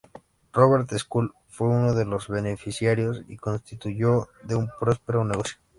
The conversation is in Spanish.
Robert Scull fue uno de los beneficiarios y constituyó de un próspero negocio.